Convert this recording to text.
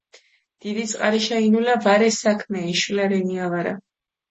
დიდი წყარიშა ინულა ვარე საქმე ეშულა რენია ვარა